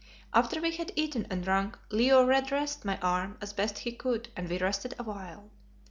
After we had eaten and drunk, Leo re dressed my arm as best he could and we rested awhile.